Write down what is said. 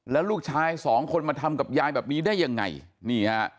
แล้วลูกชายสองคนมาทำกับยายแบบนี้ได้ยังไงนี่ฮะ